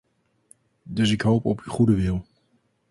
Dus ik hoop op uw goede wil.